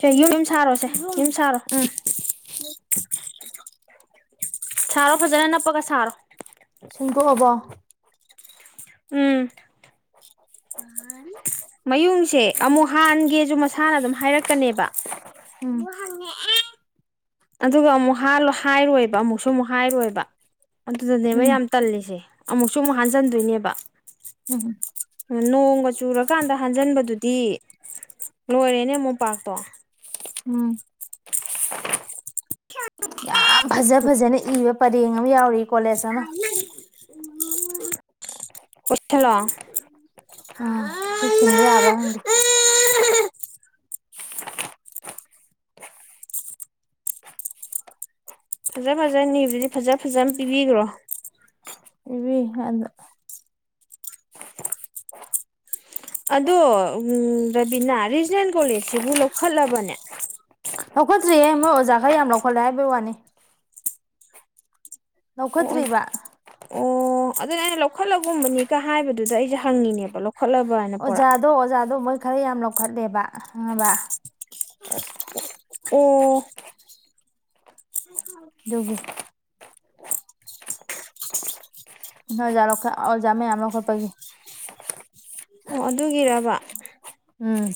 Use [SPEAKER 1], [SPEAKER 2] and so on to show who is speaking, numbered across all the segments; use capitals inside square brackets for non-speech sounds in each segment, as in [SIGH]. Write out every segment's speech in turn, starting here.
[SPEAKER 1] ꯁꯦ ꯌꯨꯝ ꯁꯔꯣ ꯁꯦ ꯌꯨꯝ ꯁꯥꯔꯣ ꯁꯥꯔꯣ ꯐꯖꯅ ꯅꯞꯄꯒ ꯁꯥꯔꯣ
[SPEAKER 2] ꯁꯦꯡꯗꯣꯛꯑꯕꯣ
[SPEAKER 1] ꯎꯝ ꯑ ꯃꯌꯨꯡꯁꯦ ꯑꯃꯨꯛ ꯍꯥꯟꯒꯦꯁꯨ ꯃꯁꯥꯅ ꯑꯗꯨꯝ ꯍꯥꯏꯔꯛꯀꯅꯤꯕ
[SPEAKER 2] ꯎꯝ
[SPEAKER 1] ꯑꯗꯨꯒ ꯑꯃꯨꯛ ꯍꯥꯠ ꯍꯥꯏꯔꯣꯏꯕ ꯑꯃꯨꯛꯁꯨꯃꯨꯛ ꯍꯥꯏꯔꯣꯏꯕ ꯑꯗꯨꯗꯅꯦꯕ
[SPEAKER 2] ꯎꯝ
[SPEAKER 1] ꯌꯥꯝ ꯇꯜꯂꯤꯁꯦ ꯑꯃꯨꯛꯁꯨ ꯑꯃꯨꯛ ꯍꯟꯖꯟꯗꯣꯏꯅꯦꯕ
[SPEAKER 2] ꯎꯝ
[SPEAKER 1] ꯅꯣꯡꯒ ꯆꯨꯔꯀꯥꯟꯗ ꯍꯟꯖꯟꯕꯗꯨꯗꯤ ꯂꯣꯏꯔꯦꯅꯦ ꯃꯣꯝꯄꯥꯛꯇꯣ
[SPEAKER 2] ꯎꯝ ꯌꯥꯝ ꯐꯖ ꯐꯖꯅ ꯏꯕ ꯄꯔꯦꯡ ꯑꯃ ꯌꯥꯎꯔꯤ ꯀꯣꯂꯦꯖ ꯑꯃ
[SPEAKER 1] ꯄꯨꯂꯣ [UNINTELLIGIBLE]
[SPEAKER 2] ꯎꯝ ꯁꯤ ꯁꯤꯟꯕ ꯌꯥꯕ꯭ꯔ ꯈꯪꯗꯦ
[SPEAKER 1] ꯐꯖ ꯐꯖꯅꯤꯕꯗꯤ ꯐꯖ ꯐꯖꯅ ꯄꯤꯕꯤꯈ꯭ꯔꯣ
[SPEAKER 2] ꯀꯩ ꯍꯥꯏꯅꫭ
[SPEAKER 1] ꯑꯗꯣ ꯔꯕꯤꯅꯥ ꯔꯤꯖꯅꯦꯜ ꯀꯣꯂꯦꯁꯁꯤꯕꯨ ꯂꯧꯈꯠꯂꯕꯅꯦ
[SPEAKER 2] ꯂꯧꯈꯠꯇ꯭ꯔꯤꯌꯦ ꯃꯣꯏ ꯑꯣꯖꯥ ꯈꯔ ꯌꯥꯝ ꯂꯧꯈꯠꯂꯦ ꯍꯥꯏꯕꯒꯤ ꯋꯥꯅꯤ
[SPEAKER 1] ꯑꯣ
[SPEAKER 2] ꯂꯧꯈꯠꯇ꯭ꯔꯤꯕ
[SPEAKER 1] ꯑꯣ ꯑꯗꯨꯅ ꯑꯩꯅ ꯂꯧꯈꯠꯂꯒꯨꯝꯕꯅꯤꯒ ꯍꯥꯏꯕꯗꯨꯗ ꯑꯩꯁꯦ ꯍꯪꯉꯤꯅꯦꯕ ꯂꯧꯈꯠꯂꯕ
[SPEAKER 2] ꯑꯣꯖꯥꯗꯣ ꯑꯣꯖꯥꯗꯣ ꯃꯣꯏ ꯈꯔ ꯌꯥꯝ ꯂꯧꯈꯠꯂꯦꯕ ꯈꯪꯉꯕ
[SPEAKER 1] ꯎꯝ ꯑꫭ [UNINTELLIGIBLE]
[SPEAKER 2] ꯑꯗꯨꯒꯤ ꯅꯣꯏ ꯑꯣꯖꯥ ꯂꯧꯈꯠ ꯑꯣꯖꯥ ꯃꯌꯥꯝ ꯂꯧꯈꯠꯄꯒꯤ
[SPEAKER 1] ꯑꯣ ꯑꯗꯨꯒꯤꯔꯕ
[SPEAKER 2] ꯎꯝ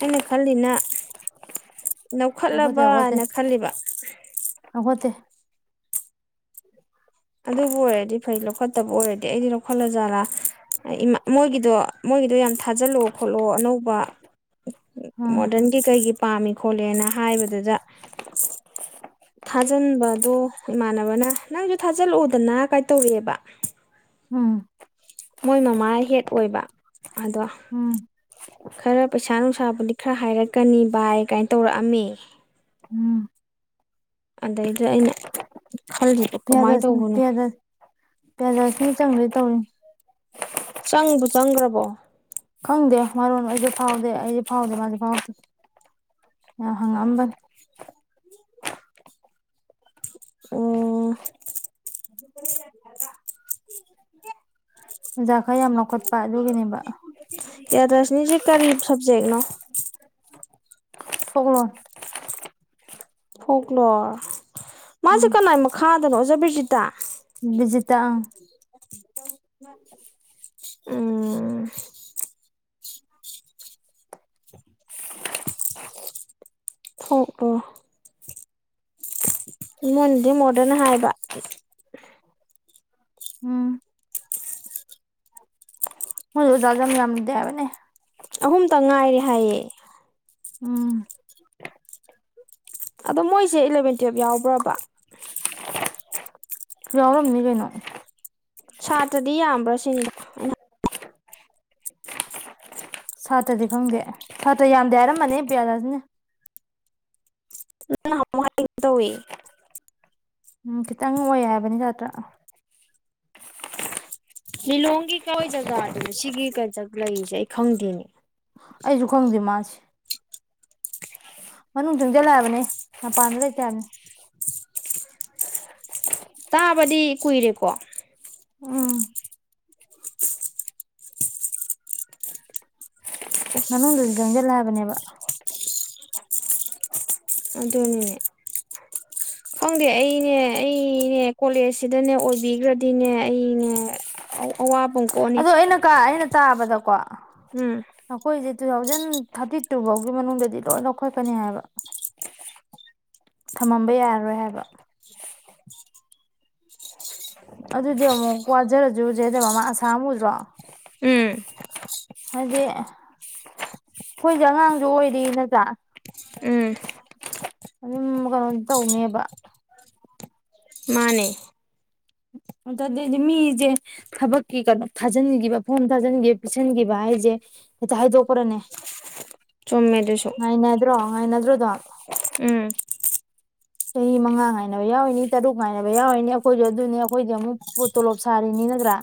[SPEAKER 1] ꯑꯩꯅ ꯈꯜꯂꯤꯅ
[SPEAKER 2] ꯂꯧꯈꯠꯇꯦ ꯂꯧꯈꯠꯇꯦ
[SPEAKER 1] ꯂꯧꯈꯠꯂꯕꯅ ꯈꯜꯂꯤꯕ
[SPEAKER 2] ꯂꯧꯈꯠꯇꯦ
[SPEAKER 1] ꯑꯗꯨꯕꯨ ꯑꯣꯏꯔꯗꯤ ꯐꯩ ꯂꯧꯈꯠꯇꯕ ꯑꯣꯏꯔꯗꯤ ꯑꯩꯗꯤ ꯂꯧꯈꯠꯂ ꯖꯥꯠꯂꯥ ꯑꯩ ꯏꯃꯥ ꯃꯣꯏꯒꯤꯗꯣ ꯃꯣꯏꯒꯤꯗꯣ ꯌꯥꯝ ꯊꯥꯖꯤꯜꯂꯑꯣ ꯈꯣꯠꯂꯑꯣ ꯑꯅꯧꯕ
[SPEAKER 2] ꯎꯝ
[SPEAKER 1] ꯃꯣꯗꯔꯟꯒꯤ ꯀꯩꯒꯤ ꯄꯥꯝꯃꯤ ꯈꯣꯠꯂꯦꯅ ꯍꯥꯏꯕꯗꯨꯗ ꯊꯥꯖꯤꯟꯕꯗꯣ ꯏꯃꯥꯟꯅꯕꯅ ꯅꯪꯁꯨ ꯊꯥꯖꯤꯜꯂꯛꯑꯣꯗꯅ ꯀꯥꯏ ꯇꯧꯔꯛꯑꯦꯕ
[SPEAKER 2] ꯎꯝ
[SPEAKER 1] ꯃꯣꯏ ꯃꯃꯥꯏꯍꯦꯠ ꯑꯣꯏꯕ ꯑꯗꯣ
[SPEAKER 2] ꯎꯝ
[SPEAKER 1] ꯈꯔ ꯄꯩꯁꯥ ꯅꯨꯡꯁꯥꯕꯨꯗꯤ ꯈꯔ ꯍꯥꯏꯔꯛꯀꯅꯤ ꯕꯥꯏ ꯀꯥꯏꯅ ꯇꯧꯔꯛꯑꯝꯃꯦ
[SPEAKER 2] ꯎꯝ
[SPEAKER 1] ꯑꯗꯩꯗ ꯑꯩꯅ ꯈꯜꯂꯤ
[SPEAKER 2] ꯄꯤꯌꯥꯗꯁꯤꯅ ꯄꯤꯌꯥꯖ ꯄꯤꯌꯥꯖꯔꯁꯅ ꯆꯪꯕꯣꯏ ꯇꯧꯋꯅꯤ
[SPEAKER 1] ꯆꯪꯕꯨ ꯆꯪꯈ꯭ꯔꯕꯣ
[SPEAKER 2] ꯈꯪꯗꯦ ꯃꯔꯣꯟ ꯑꯩꯖꯨ ꯐꯥꯎꯗꯦ ꯑꯩꯁꯦ ꯐꯥꯎꯗꯦ ꯃꯥꯖꯨ ꯐꯥꯎꯗꯦ ꯌꯥꯝ ꯍꯪꯉꯛꯑꯝꯕꯅꯤ
[SPEAKER 1] ꯑꯣ
[SPEAKER 2] ꯑꯣꯖꯥ ꯈꯔ ꯌꯥꯝ ꯂꯧꯈꯠꯄ ꯑꯗꯨꯒꯤꯅꯦꯕ
[SPEAKER 1] ꯄꯔꯤꯌꯥꯗꯁꯅꯤꯁꯦ ꯀꯔꯤ ꯁꯕꯖꯦꯛꯅꯣ
[SPEAKER 2] [UNINTELLIGIBLE]
[SPEAKER 1] ꯐꯣꯛꯂꯣꯔ ꯃꯥꯁꯦ
[SPEAKER 2] ꯎꯝ
[SPEAKER 1] ꯀꯃꯥꯏ ꯃꯈꯥꯗꯅꯣ ꯑꯣꯖꯥ ꯕꯤꯔꯖꯤꯇꯥ
[SPEAKER 2] ꯕꯤꯖꯤꯇꯥ
[SPEAKER 1] ꯎꯝ ꯊꯣꯛꯑꫭ ꯃꯣꯏꯅꯗꯤ ꯃꯣꯔꯗꯔꯟ ꯍꯥꯏꯕ
[SPEAKER 2] ꯎꯝ ꯃꯣꯏꯗꯨ ꯌꯥꯝ ꯌꯥꯝꯗꯦ ꯍꯥꯏꯕꯅꯦ
[SPEAKER 1] ꯑꯍꯨꯝꯇꯪ ꯉꯥꯏꯔꯦ ꯍꯥꯏꯌꯦ
[SPEAKER 2] ꯎꯝ
[SPEAKER 1] ꯑꯗꯣ ꯃꯣꯏꯁꯦ ꯏꯂꯚꯦꯟ ꯇꯨꯋꯦꯞ ꯌꯥꯎꯕ꯭ꯔꯕ
[SPEAKER 2] ꯌꯧꯔꯝꯅꯤ ꯀꯩꯅꯣ
[SPEAKER 1] ꯁꯥꯇ꯭ꯔꯗꯤ ꯌꯥꯝꯕ꯭ꯔꯥ ꯁꯤꯅꯤꯗ ꯑꯩꯅ
[SPEAKER 2] ꯁꯥꯇ꯭ꯔꯗꯤ ꯈꯪꯗꯦ ꯁꯥꯇ꯭ꯔ ꯌꯥꯝꯗꯦ ꯍꯥꯏꯔꯝꯕꯅꯦ ꯄꯤꯌꯥꯂꯛꯁꯃꯤꯅ
[SPEAKER 1] ꯃꯗ ꯍꯏ [INAUDIBLE] [UNINTELLIGIBLE]
[SPEAKER 2] ꯎꯝ ꯈꯤꯇꯪ ꯑꯣꯏ ꯍꯥꯏꯕꯅꯤ ꯆꯇ꯭ꯔꯥ
[SPEAKER 1] ꯂꯤꯂꯣꯡꯒꯤ ꯀꯋꯥꯏ ꯖꯒꯥꯗꯅꯣ ꯁꯤꯒꯤ ꯀ ꯂꯩꯔꯤꯁꯦ ꯑꯩ ꯈꯪꯗꯦꯅꯦ
[SPEAKER 2] ꯑꯩꯁꯨ ꯈꯪꯗꯦ ꯃꯥꯁꯦ ꯃꯅꯨꯡ ꯆꯪꯖꯦꯜꯂꯛꯑꯕꯅꯦ ꯃꯄꯥꯟꯗ ꯂꯩꯇꯦ ꯍꯥꯏꯕꯅꯤ
[SPEAKER 1] ꯇꯥꯕꯗꯤ ꯀꯨꯏꯔꯦꯀꯣ
[SPEAKER 2] ꯎꯝ ꯃꯅꯨꯡꯗꯁꯨ ꯆꯪꯁꯤꯜꯂꯦ ꯍꯥꯏꯕꯅꯦꯕ
[SPEAKER 1] ꯑꯗꯨꯗꯅꯦꯅꯦ ꯈꯪꯗꯦ ꯑꯩꯅꯦ ꯑꯩꯅꯦ ꯀꯣꯂꯦꯖꯁꯤꯗꯅꯦ ꯑꯣꯏꯕꯤꯈ꯭ꯔꯗꯤꯅꯦ ꯑꯩꯅꯦ ꯑꯧ ꯑꯋꯥꯕꯥ ꯑꯃꯥ ꯀꯣꯑꯅꯤ
[SPEAKER 2] ꯃꯦꯅꯀꯥ ꯑꯩꯅ ꯇꯥꯕꯗꯀꯣ
[SPEAKER 1] ꯎꯝ
[SPEAKER 2] ꯑꯩꯈꯣꯏꯁꯦ ꯇꯨ ꯊꯥꯎꯖꯟ ꯊꯥꯔꯇꯤ ꯇꯨ ꯐꯧꯒꯤ ꯃꯅꯨꯡꯗꯗꯤ ꯂꯣꯏ ꯂꯧꯈꯠꯀꯅꯤ ꯍꯥꯏꯕ ꯊꯝꯃꯝꯕ ꯌꯥꯔꯔꯣꯏ ꯍꯥꯏꯕ ꯑꯗꯨꯗꯤ ꯑꯃꯨꯛ ꯋꯥꯖꯔꯁꯨꯁꯦ ꯍꯥꯏꯗ ꯃꯃꯥ ꯑꯁꯥ ꯑꯃꯥ ꯎꯗ꯭ꯔꯣ
[SPEAKER 1] ꯎꯝ
[SPEAKER 2] ꯍꯥꯏꯗꯤ ꯑꯩꯈꯣꯏꯁꯦ ꯑꯉꯥꯡꯁꯨ ꯑꯣꯏꯔꯤ ꯅꯇꯔꯥ
[SPEAKER 1] ꯎꯝ
[SPEAKER 2] ꯑꯗꯨꯝ ꯀꯩꯅꯣꯗꯤ ꯇꯧꯅꯦꯕ
[SPEAKER 1] ꯃꯥꯅꯦ
[SPEAKER 2] [UNINTELLIGIBLE] ꯃꯤꯖꯦ ꯊꯕꯛꯀꯤ ꯀꯩꯅꯣ ꯊꯥꯖꯤꯟꯈꯤꯕ ꯐꯣꯝ ꯊꯥꯖꯤꯟꯈꯤꯕ ꯄꯤꯁꯤꯟꯈꯤꯕ ꯍꯥꯏꯁꯦ ꯍꯦꯛꯇ ꯍꯥꯏꯗꯣꯛꯄ꯭ꯔꯅꯦ
[SPEAKER 1] ꯆꯨꯝꯃꯦ ꯑꯗꯨꯁꯨ
[SPEAKER 2] ꯉꯥꯏꯅꯗ꯭ꯔꯣ ꯉꯥꯏꯅꯗ꯭ꯔꯣꯗꯣ
[SPEAKER 1] ꯎꯝ
[SPEAKER 2] ꯆꯍꯤ ꯃꯉꯥ ꯉꯥꯏꯅꯕ ꯌꯥꯎꯔꯤꯅꯤ ꯇꯔꯨꯛ ꯉꯥꯏꯅꯕ ꯌꯥꯎꯔꯤꯅꯤ ꯑꯩꯈꯣꯏꯁꯨ ꯑꯗꯨꯅꯤ ꯑꯩꯈꯣꯏꯗꯤ ꯑꯃꯨꯛ ꯇꯣꯂꯣꯞ ꯁꯥꯔꯤꯅꯤ ꯅꯠꯇ꯭ꯔꯥ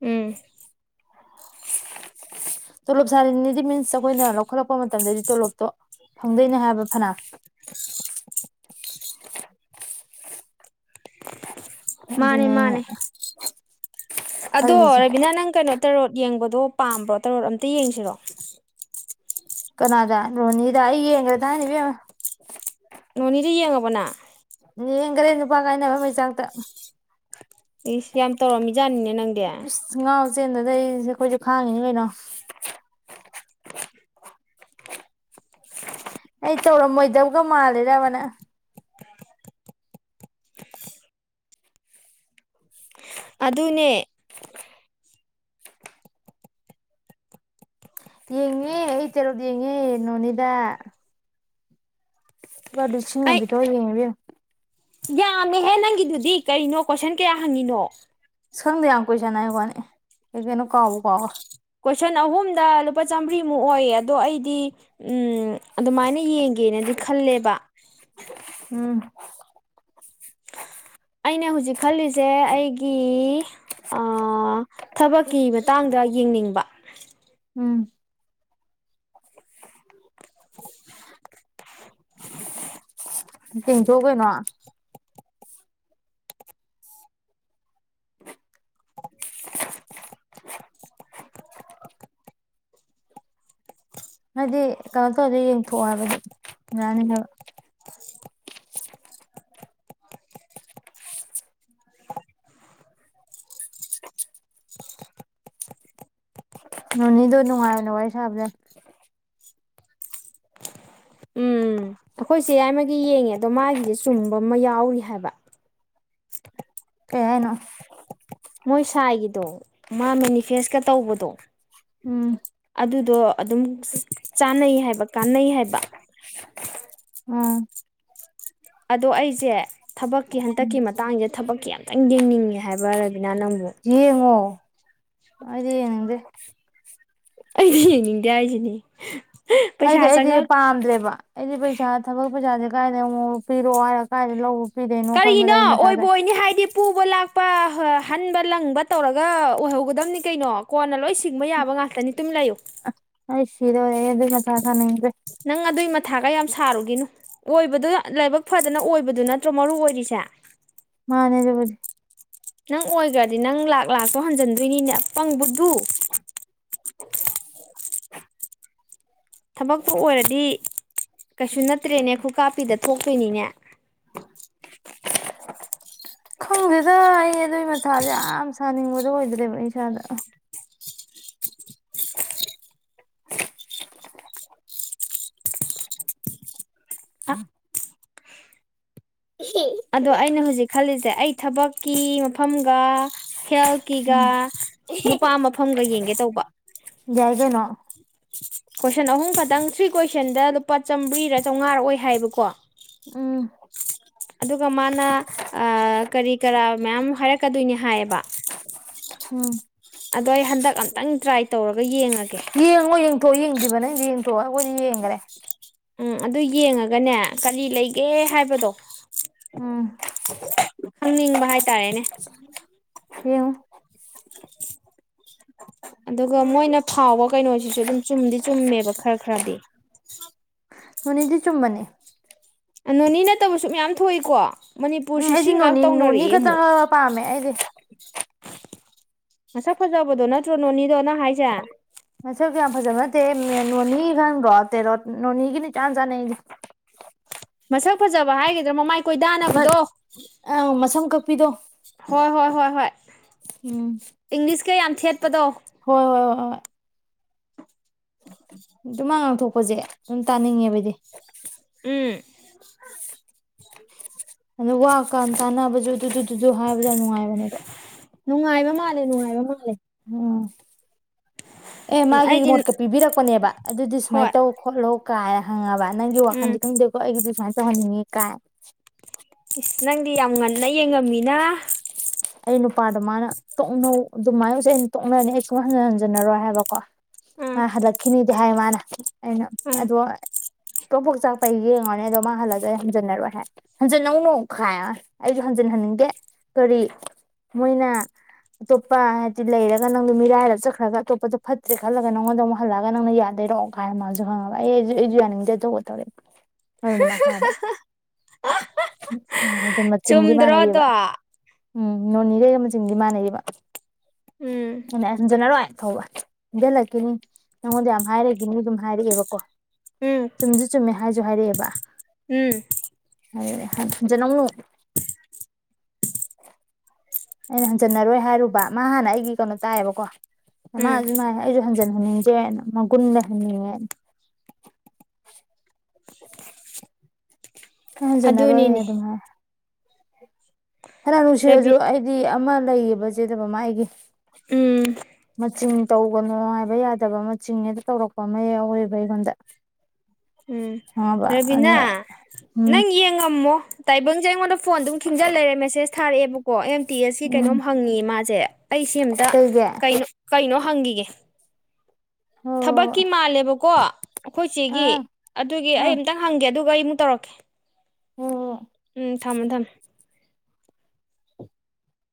[SPEAKER 1] ꯎꯝ [INAUDIBLE]
[SPEAKER 2] ꯇꯣꯂꯣꯞ ꯁꯥꯔꯤꯅꯤꯗꯤ ꯃꯤꯟꯁ ꯑꯩꯈꯣꯏꯅ ꯂꯧꯈꯠꯂꯛꯄ ꯃꯇꯝꯗꯗꯤ ꯇꯣꯂꯣꯞꯇꯣ ꯐꯪꯗꯣꯏꯅꯦ ꯍꯥꯏꯕ ꯐꯅ
[SPEAKER 1] ꯃꯥꯅꯦ
[SPEAKER 2] ꯑꯗꯨꯅꯦ ꯑꯩꯅ
[SPEAKER 1] ꯃꯥꯅꯦ ꯑꯗꯣ
[SPEAKER 2] ꯈꯜꯂꯤꯁꯦ
[SPEAKER 1] ꯔꯕꯤꯅꯥ ꯅꯪ ꯀꯩꯅꯣ ꯇꯔꯣꯠ ꯌꯦꯡꯕꯗꯣ ꯄꯥꯝꯕ꯭ꯔꯣ ꯇꯔꯣꯠ ꯑꯝꯇ ꯌꯦꯡꯁꯤꯔꯣ
[SPEAKER 2] ꯀꯅꯥꯗ ꯅꯣꯅꯤꯗ ꯑꯩ ꯌꯦꯡꯈ꯭ꯔꯦ ꯊꯥꯏꯅ ꯏꯕꯦꯝꯃꯥ
[SPEAKER 1] ꯅꯣꯅꯤꯗ ꯌꯦꯡꯉꯕꫭ ꯅꯪ
[SPEAKER 2] ꯌꯦꯡꯈꯔꯦ ꯅꯨꯄꯥ ꯀꯥꯏꯅꯕ ꯃꯩꯆꯥꯛꯇ
[SPEAKER 1] ꯏꯁ ꯌꯥꯝ ꯇꯧꯔꯝꯃꯤꯖꯥꯠꯅꯤꯅꯦ ꯅꯪꯗꯤ
[SPEAKER 2] ꯑꯁ ꯉꯥꯎ ꯆꯦꯟꯗ ꯑꯩꯁꯦ ꯑꯩꯈꯣꯏꯁꯨ ꯈꯥꯡꯉꯤꯅꯤ ꯀꯩꯅꯣ ꯑꯩ ꯇꯧꯔꯝꯃꯣꯏꯗꯕꯒ ꯃꯥꯜꯂꯤꯔꯕ ꯅꯪ
[SPEAKER 1] ꯑꯗꯨꯅꯦ
[SPEAKER 2] ꯌꯦꯡꯉꯦ ꯑꯩ ꯇꯥꯔꫭꯛ ꯌꯦꯉꯦ ꯅꫭꯅꯤꯗ ꯂꯨꯄ ꯂꯤꯁꯤ ꯑꯃꯥ
[SPEAKER 1] ꯑꯩ
[SPEAKER 2] ꯄꯤꯊꫭꯛꯑꯒ ꯌꯦꯡꯑꯦ ꯏꯕꯦꯝꯃꯥ
[SPEAKER 1] ꯌꯥꯝꯃꯦꯍꯦ ꯅꯪꯒꯤꯗꯨꯗꯤ ꯀꯔꯤꯅꯣ ꯀꯣꯏꯁꯟ ꯀꯌꯥ ꯍꯪꯉꯤꯅꯣ
[SPEAKER 2] ꯁ ꯈꯪꯗ ꯌꯥꯝ ꯀꯨꯏꯁꯥꯅꯩ ꯋꯥꯅꯤ ꯀ ꯀꯩꯅꯣ ꯀꯥꯎꯕ ꯀꯥꯎꯒ
[SPEAKER 1] ꯀꯣꯏꯁꯟ ꯑꯍꯨꯝꯗ ꯂꯨꯄꯥ ꯆꯥꯝꯃꯔꯤꯃꯨꯛ ꯑꯣꯏꯌꯦ ꯑꯗꯣ ꯑꯩꯗꯤ ꯎꯝ ꯑꯗꯨꯃꯥꯏꯅ ꯌꯦꯡꯒꯦꯅꯗꯤ ꯈꯜꯂꯦꯕ
[SPEAKER 2] ꯎꯝ
[SPEAKER 1] ꯑꯩꯅ ꯍꯧꯖꯤꯛ ꯈꯜꯂꯤꯁꯦ ꯑꯩꯒꯤ ꯊꯕꯛꯀꯤ ꯃꯇꯥꯡꯗ ꯌꯦꯡꯅꯤꯡꯕ
[SPEAKER 2] ꯎꯝ [UNINTELLIGIBLE] ꯍꯥꯏꯗꯤ ꯀꯩꯅꯣ ꯇꯧꯔꯗ ꯌꯦꯡꯊꯣꯛꯑꯣ ꯍꯥꯏꯕꯗꯤ ꯌꯥꯅꯤꯗꯕ ꯅꯅꯤꯗꯅꯅꯨꯡꯉꯅ ꯋꯥꯔꯤ ꯁꯥꯕꯗ
[SPEAKER 1] ꯑꯩꯈꯣꯏꯁꯦ ꯌꯥꯏꯃꯒꯤ ꯌꯦꯡꯉꯦ ꯑꯗꯣ ꯃꯥꯒꯤꯁꯦ ꯆꯨꯝꯕ ꯑꯃ ꯌꯥꯎꯔꯤ ꯍꯥꯏꯕ
[SPEAKER 2] ꯀꯩ ꯍꯥꯏꯅꯣ
[SPEAKER 1] ꯃꯣꯏ ꯁꯥꯏꯒꯤꯗꯣ ꯃꯥ ꯃꯦꯅꯤꯐꯦꯁꯀ ꯇꯧꯕꯗꯣ
[SPEAKER 2] ꯎꯝ
[SPEAKER 1] ꯑꯗꯨꯗꯣ ꯑꯗꯨꯝ ꯆꯥꯟꯅꯩ ꯍꯥꯏꯕ ꯀꯥꯟꯅꯩ ꯍꯥꯏꯕ
[SPEAKER 2] ꯑꯥ
[SPEAKER 1] ꯑꯗꯣ ꯑꯩꯁꯦ ꯊꯕꯛꯀꯤ ꯍꯟꯇꯛꯀꯤ ꯃꯇꯥꯡꯁꯦ ꯊꯕꯛ ꯀꯤ ꯌꯥꯝ ꯈꯤꯇꯪ ꯌꯦꯡꯅꯤꯡꯉꯦ ꯍꯥꯏꯕ ꯔꯕꯤꯅꯥ ꯅꯪꯕꯨ
[SPEAKER 2] ꯌꯦꯡꯉꯣ ꯑꯩꯗꯤ ꯌꯦꯡꯅꯤꯡꯗꯦ
[SPEAKER 1] ꯑꯩꯗꯤ ꯌꯦꯡꯅꯤꯡꯗꯦ ꯍꯥꯏꯁꯤꯅꯤ
[SPEAKER 2] ꯍꯥꯏꯗꯤ ꯑꯩꯗꯤ ꯄꯥꯝꯗꯦꯕ ꯑꯩꯗꯤ ꯄꯩꯁꯥ ꯊꯕꯛ ꯄꯩꯁꯥꯁꯦ ꯀꯥꯏꯅ ꯑꯃ ꯄꯤꯔꯛꯑꯣ ꯍꯥꯏꯔ ꯀꯥꯏꯗꯥꯏ ꯂꯧꯔ
[SPEAKER 1] ꯀꯔꯤꯅꯣ ꯑꯣꯏꯕ ꯑꯣꯏꯅꯤ ꯍꯥꯏꯗꯤ ꯄꯨꯕ ꯂꯥꯛꯄ ꯍꯟꯕ ꯂꯪꯕ ꯇꯧꯔꯒ ꯑꯣꯏꯍꯧꯒꯗꯕꯅꯤ ꯀꯩꯅꯣ ꯀꯣꯟꯅ ꯂꯣꯏ ꯁꯤꯡꯕ ꯌꯥꯕ ꯉꯥꯛꯇꯅꯤ ꯇꯨꯝ ꯂꯩꯌꯨ
[SPEAKER 2] ꯑꯩ ꯁꯤꯗꫭꯏꯔꯦ ꯑꯗꯨꯒꯤ ꯃꯊꯥ ꯁꯥꯅꯤꯡꯗ꯭ꯔꯦ
[SPEAKER 1] ꯅꯪ ꯑꯗꯨꯏ ꯃꯊꯥꯒ ꯌꯥꯝ ꯁꯥꯔꯨꯒꯤꯅꯣ ꯑꯣꯏꯕꯗꯣ ꯂꯥꯏꯕꯛ ꯐꯗꯅ ꯑꯣꯏꯕꯗꯨ ꯅꯠꯇ꯭ꯔꯣ ꯃꯔꯨ ꯑꯣꯏꯔꯤꯁꯦ
[SPEAKER 2] ꯃꯥꯅꯦ ꯑꯗꯨꯕꯨꯗꯤ
[SPEAKER 1] ꯅꯪ ꯑꯣꯏꯈ꯭ꯔꯗꯤ ꯅꯪ ꯂꯥꯛ ꯂꯥꯛꯇꯣ ꯍꯟꯖꯤꯟꯗꯣꯏꯅꯤꯅꯦ ꯑꯄꯪ ꯕꯨꯗꯨ
[SPEAKER 2] [INAUDIBLE]
[SPEAKER 1] ꯊꯕꯛꯇꯨ ꯑꯣꯏꯔꯗꯤ ꯀꯩꯁꯨ ꯅꯠꯇ꯭ꯔꯦꯅꯦ ꯈꯨꯀꯥꯞꯄꯤꯗ ꯊꯣꯛꯇꯣꯏꯅꯤꯅꯦ
[SPEAKER 2] ꯈꯪꯗꯦꯗ ꯑꯩ ꯑꯗꯨꯒꯤ ꯃꯊꯥꯁꯦ ꯌꯥꯝ ꯁꯥꯅꯤꯡꯕꯗꯣ ꯑꯣꯏꯗ꯭ꯔꯦꯕ꯭ꯔ ꯏꯁꯥꯗ UNINTELLIGIBLE
[SPEAKER 1] ꯑꯗꯣ ꯑꯩꯅ ꯍꯧꯖꯤꯛ ꯈꯜꯂꯤꯁꯦ ꯑꯩ ꯊꯕꯛꯀꯤ ꯃꯐꯝꯒ ꯍꯦꯜꯊꯀꯤꯒ ꯅꯨꯄꯥ ꯃꯐꯝꯒ ꯌꯦꯡꯒꯦ ꯇꯧꯕ
[SPEAKER 2] ꯌꯥꯏ ꯀꯩꯅꯣ
[SPEAKER 1] ꯀꯣꯏꯁꯟ ꯑꯍꯨꯝ ꯈꯛꯇꯪ ꯊ꯭ꯔꯤ ꯀꯣꯏꯁꯟꯗ ꯂꯨꯄꯥ ꯆꯥꯝꯃꯔꯤꯔ ꯆꯥꯝꯃꯉꯥ ꯑꯣꯏ ꯍꯥꯏꯕꯀꯣ
[SPEAKER 2] ꯎꯝ
[SPEAKER 1] ꯑꯗꯨꯒ ꯃꯥꯅ ꯀꯔꯤ ꯀꯔꯥ ꯃꯌꯥꯝ ꯍꯥꯏꯔꯛꯀꯗꯣꯏꯅꯤ ꯍꯥꯏꯌꯦꯕ
[SPEAKER 2] ꯎꯝ
[SPEAKER 1] ꯑꯗꯣ ꯑꯩ ꯍꯟꯗꯛ ꯑꯝꯇꯪ ꯇ꯭ꯔꯥꯏ ꯇꯧꯔꯒ ꯌꯦꯡꯉꯒꯦ
[SPEAKER 2] ꯌꯦꯡꯉ ꯌꯦꯡꯊꯣꯛ ꯌꯦꯡꯗ꯭ꯔꯤꯕ ꯅꯪꯗꯤ ꯌꯦꯡꯊꯣꯛꯑꯣ ꯑꯩꯈꯣꯏꯗꯤ ꯌꯦꯡꯈꯔꯦ
[SPEAKER 1] ꯎꯝ ꯑꯗꯨ ꯌꯦꯡꯉꯒꯅꯦ ꯀꯔꯤ ꯂꯩꯒꯦ ꯍꯥꯏꯕꯗꯣ
[SPEAKER 2] ꯎꯝ
[SPEAKER 1] ꯍꯪꯅꯤꯡꯕ ꯍꯥꯏꯇꯥꯔꯦꯅꯦ
[SPEAKER 2] ꯌꯦꯑꫭ
[SPEAKER 1] [INAUDIBLE] ꯑꯗꯨꯒ ꯃꯣꯏꯅ ꯐꯥꯎꯕ ꯀꯩꯅꯣꯁꯤꯁꯨ ꯑꯗꯨꯝ ꯆꯨꯝꯗꯤ ꯆꯨꯝꯃꯦꯕ ꯈꯔ ꯈꯔꯗꯤ
[SPEAKER 2] ꯂꯣꯢꯅꯗꯤ ꯆꯨꯝꯕꯅꯤ
[SPEAKER 1] ꯅꯣꯅꯤ ꯅꯠꯇꯕꯁꯨ ꯃꯌꯥꯝ ꯊꯣꯛꯏꯀꯣ
[SPEAKER 2] ꯎꯝ
[SPEAKER 1] ꯃꯅꯤꯄꯨꯔꯁꯦ ꯁꯤ
[SPEAKER 2] ꯑꯩꯗꯤ
[SPEAKER 1] ꯉꯍꯥꯛ
[SPEAKER 2] ꯅꯣꯅꯤ ꯅꯣꯅꯤ
[SPEAKER 1] ꯇꯧꯅꯔꯛꯑꯦ
[SPEAKER 2] ꯈꯛꯇꯪ
[SPEAKER 1] ꯑꯃꯨꯛ
[SPEAKER 2] ꯄꯥꯝꯃꯦ ꯑꯩꯗꯤ
[SPEAKER 1] ꯃꯁꯛ ꯐꯖꯕꯗꯣ ꯅꯠꯇ꯭ꯔꯣ ꯅꯣꯅꯤꯗꯣ ꯅꯪ ꯍꯥꯏꯁꯦ
[SPEAKER 2] ꯃꯁ ꯌꯥꯝ ꯐꯖꯕ ꯅꯠꯇꯦ ꯅꯣꯅꯤ ꯈꯪꯗꯔꯣ ꯇꯥꯔꫭꯛ ꯅꯣꯅꯤꯒꯤꯅꯤ ꯏꯆꯟ ꯆꯥꯅꯩ ꯑꯩꯗꯤ
[SPEAKER 1] ꯃꯁꯛ ꯐꯖꯕ ꯍꯥꯏꯒꯗ꯭ꯔꯥ ꯃꯃꯥꯏ ꯀꯣꯏꯗꯥꯅꯕꯗꯣ
[SPEAKER 2] ꯑꯪ ꯃꯁꯝ ꯀꯛꯄꯤꯗꯣ
[SPEAKER 1] ꯍꯣꯏ ꯍꯣꯏ ꯍꯣꯏ ꯍꯣꯏ
[SPEAKER 2] ꯎꯝ
[SPEAKER 1] ꯏꯪꯂꯤꯁꯀ ꯌꯥꯝ ꯊꯦꯠꯄꯗꯣ
[SPEAKER 2] ꯍꯣꯏ ꯍꯣꯏ ꯍꯣꯏ ꯍꯣꯏ ꯑꯗꯣ ꯃꯥ ꯉꯥꯡꯊꯣꯛꯄꯁꯦ ꯑꯗꯨꯝ ꯇꯥꯅꯤꯡꯉꯦꯕꯗꯤ
[SPEAKER 1] ꯎꯝ
[SPEAKER 2] ꯑꯣ ꯋꯥ ꯀꯥꯟ ꯇꯥꯅꯕꯁꯨ ꯑꯗꯨꯗꯨꯁꯨ ꯍꯥꯏꯕꯁꯨ ꯌꯥꯝ ꯅꯨꯡꯉꯥꯏꯕꯅꯦꯕ
[SPEAKER 1] ꯅꯨꯡꯉꯥꯏꯕ ꯃꯥꯜꯂꯦ ꯅꯨꯡꯉꯥꯏꯕ ꯃꯥꯜꯂꯦ
[SPEAKER 2] ꯎꯝ ꯑꯦ
[SPEAKER 1] ꯎꯝ
[SPEAKER 2] ꯃꯥꯒꯤ
[SPEAKER 1] ꯑꯩꯗꯤ
[SPEAKER 2] ꯃꯣꯠꯀ ꯄꯤꯕꯤꯔꯛꯄꯅꯦꯕ ꯑꯗꯨꯗꯤ
[SPEAKER 1] ꯍꯣꯏ
[SPEAKER 2] ꯁꯨꯃꯥꯏꯅ ꯇꯧ ꯈꯣꯠꯂꯣ ꯀꯥꯏ ꯍꯪꯉꯕ ꯅꯪꯒꯤ
[SPEAKER 1] ꯎꯝ
[SPEAKER 2] ꯋꯥꯈꯟꯁꯦ ꯈꯪꯗꯦꯀꯣ ꯑꯩꯒꯤꯗꯤ ꯁꯨꯃꯥꯏꯅ ꯇꯧꯍꯟꯅꯤꯡꯉꯤ ꯀꯥꯏ
[SPEAKER 1] ꯏꯁꯁ ꯅꯪꯗꯤ ꯌꯥꯝ ꯉꯟꯅ ꯌꯦꯡꯉꯝꯃꯤꯅ
[SPEAKER 2] ꯑꯩ ꯅꯨꯄꯥꯗꯣ ꯃꯥꯅ ꯇꯣꯛꯅꯧ ꯑꯗꯨꯃꯥꯏꯅ ꯁꯨ ꯑꯩꯅ ꯇꯣꯛꯅꯔꯅꯤ ꯑꯩ ꯁꯨꯡ ꯍꯟꯖꯟ ꯍꯟꯖꯟꯅꯔꯣꯏ ꯍꯥꯏꯕ ꯑ
[SPEAKER 1] ꯎꯝ
[SPEAKER 2] ꯍꯂꯥꯛꯈꯤꯅꯤꯗꯤ ꯍꯥꯏ ꯃꯥꯅ ꯑꯩꯅ
[SPEAKER 1] ꯎꯝ
[SPEAKER 2] ꯑꯗꯣ ꯇꯣꯄꯣꯛ ꯆꯥꯛꯄꯩ ꯌꯦꯡꯉꯣꯅꯦ ꯑꯗꯣ ꯃꯥ ꯍꯜꯂꯛꯁꯨ ꯑꯩ ꯍꯝꯖꯟꯅꯔꯣꯏ ꯍꯥꯏ ꯍꯟꯖꯟ ꯅꯧꯅꯨ ꯈꯥꯏ ꯑꯩꯁꯨ ꯍꯟꯖꯤꯟꯍꯟꯅꯤꯡꯒꯦ ꯀꯔꯤ ꯃꯣꯏꯅ ꯑꯇꯣꯞꯄ ꯍꯥꯏꯗꯤ ꯂꯩꯔꯒ ꯅꯪꯗꯣ ꯃꯤꯔꯥꯏꯔꯒ ꯆꯠꯈ꯭ꯔꯒ ꯑꯇꯣꯞꯄꯗꯣ ꯐꯠꯇ꯭ꯔꯦ ꯈꯜꯂꯒ ꯅꯪꯉꯣꯟꯗ ꯑꯃꯨꯛ ꯍꯜꯂꯛꯒ ꯅꯪꯅ ꯌꯥꯗꯨꯢꯔꯣ ꯀꯥꯏ ꯃꯥꯁꯨ ꯈꯪꯉꯕ ꯑꯩꯁꯨ ꯑꯩꯁꯨ ꯌꯥꯅꯤꯡꯗꯦ ꯑ ꯇꯣꯛꯑꯣ ꯇꯧꯔꯛꯌꯦ
[SPEAKER 1] [INAUDIBLE]
[SPEAKER 2] ꯑꯗꯨ ꯃꯆꯤꯡꯗꯤ
[SPEAKER 1] ꯆꯨꯝꯗ꯭ꯔꯣ ꯑꯗꯣ
[SPEAKER 2] ꯃꯥꯟꯅꯩꯌꯦꯕ ꯎꯝ ꯅꯣꯅꯤꯗꯩ ꯃꯆꯤꯡꯗꯤ ꯃꯥꯟꯅꯕ
[SPEAKER 1] ꯎꯝ
[SPEAKER 2] ꯑꯩꯅ ꯍꯥꯟꯖꯤꯟꯅꯔꯣꯏ ꯊꯧꯕ ꯏꯟꯖꯜꯂꯛꯈꯤꯅꯤ ꯅꯪꯉꯣꯟꯗ ꯌꯥꯝ ꯍꯥꯏꯔꯈꯤꯅꯤ ꯑꯗꯨꯝ ꯍꯥꯏꯔꯛꯑꯦꯕꯀꯣ
[SPEAKER 1] ꯎꯝ
[SPEAKER 2] ꯆꯨꯝꯁꯨ ꯆꯨꯝꯃꯦ ꯍꯥꯏꯁꯤ ꯍꯥꯢꯁꯨ ꯍꯥꯏꯔꯛꯑꯦꯕ
[SPEAKER 1] ꯎꯝ
[SPEAKER 2] ꯍꯟꯖꯤꯟꯅꯧꯅꯨ ꯑꯩꯅ ꯍꯟꯖꯟꯅꯔꯣꯏ ꯍꯥꯏꯔꯨꯕ ꯃꯥ ꯍꯥꯟꯅ ꯑꯩꯒꯤ ꯀꯩꯅꯣ ꯇꯥꯏꯌꯦꯕꯀꯣ
[SPEAKER 1] ꯎꯝ
[SPEAKER 2] ꯃꯥꯅꯁꯨ ꯑꯗꯨꯃꯥꯏ ꯑꯩꯁꯨ ꯍꯟꯖꯤꯟꯍꯅꯤꯡꯗꯦ ꯃꯒꯨꯟ ꯂꯩꯍꯟꯅꯤꯡꯌ ꯍꯥꯟꯖꯤꯟꯅꯔꯣꯏ
[SPEAKER 1] ꯑꯗꯨꯅꯤꯅꯦ
[SPEAKER 2] ꯑꯗꯨꯝ ꯍꯥꯏ ꯐꯅꯌꯥꯝ
[SPEAKER 1] ꯔꯕꯤ
[SPEAKER 2] ꯅꯨꯡꯁꯤꯔꯁꯨ ꯑꯩꯗꯤ ꯑꯃ ꯂꯩꯌꯦꯕ ꯆꯦꯗꯕ ꯃꯥ ꯑꯩꯒꯤ
[SPEAKER 1] ꯎꯝ
[SPEAKER 2] ꯃꯆꯤꯟ ꯇꯧꯒꯅꯣ ꯍꯥꯢꯕ ꯌꯥꯗꯕ ꯃꯆꯤꯡ ꯍꯦꯛꯇ ꯇꯧꯔꯛꯄ ꯑꯃ ꯌꯥꯎꯋꯦꯕ ꯑꯩꯉꯣꯟꯗ
[SPEAKER 1] ꯎꯝ
[SPEAKER 2] ꯈꯪꯉꯕ
[SPEAKER 1] ꯔꯕꯤꯅꯥ
[SPEAKER 2] ꯑꯗꯨꯅ ꯎꯝ
[SPEAKER 1] ꯅꯪ ꯌꯦꯟ ꯉꯝꯃꯣ ꯇꯥꯏꯕꯪꯁꯦ ꯑꯩꯉꯣꯟꯗ ꯐꯣꯟ ꯑꯗꯨꯝ ꯈꯤꯡꯖꯤꯜꯂ ꯂꯩꯔꯦ ꯃꯦꯁꯦꯁ ꯊꯥꯔꯛꯑꯦꯕꯀꯣ ꯇꯤꯁ
[SPEAKER 2] ꯎꯝ
[SPEAKER 1] ꯀꯩꯅꯣꯝ ꯍꯪꯉꯦ ꯃꯥꯁꯦ ꯑꯩ ꯁꯤ ꯑꯝꯇ
[SPEAKER 2] ꯀꯩꯒꯤ
[SPEAKER 1] ꯀꯩꯅꯣ ꯀꯩꯅꯣ ꯍꯪꯈꯤꯒꯦ
[SPEAKER 2] ꯍꯣꯏ ꯍꯣꯏ ꯍꯣꯏ
[SPEAKER 1] ꯊꯕꯛꯀꯤ ꯃꯥꯜꯂꯦꯕꯀꯣ ꯑꯩꯈꯣꯏ ꯆꯦꯒꯤ
[SPEAKER 2] ꯑꯥ ꯑꯥ
[SPEAKER 1] ꯑꯗꯨꯒꯤ
[SPEAKER 2] ꯍꯣꯏ
[SPEAKER 1] ꯑꯩ ꯑꯃꯝꯇꯪ ꯍꯪꯒꯦ ꯑꯗꯨꯒ ꯑꯩꯃꯨꯛ ꯇꯧꯔꯛꯀꯦ
[SPEAKER 2] ꯍꯣꯏ
[SPEAKER 1] ꯎꯝ ꯊꯝꯃꯃꯦ ꯊꯝꯃꯃꯦ